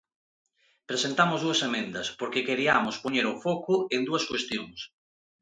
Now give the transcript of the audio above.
Presentamos dúas emendas, porque queriamos poñer o foco en dúas cuestións.